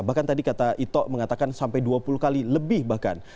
bahkan tadi kata ito mengatakan sampai dua puluh kali lebih bahkan